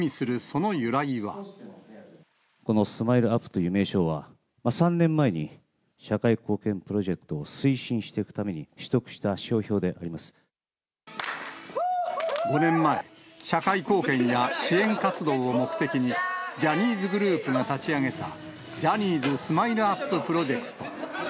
このスマイルアップという名称は、３年前に社会貢献プロジェクトを推進していくために取得した商標５年前、社会貢献や支援活動を目的に、ジャニーズグループが立ち上げた、ジャニーズスマイルアッププロジェクト。